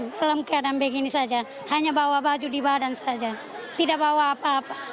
dalam keadaan begini saja hanya bawa baju di badan saja tidak bawa apa apa